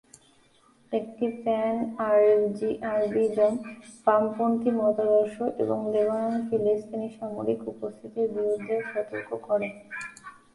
এটি pan Arabism, বামপন্থী মতাদর্শ এবং লেবাননে ফিলিস্তিনি সামরিক উপস্থিতির বিরুদ্ধেও সতর্ক করে।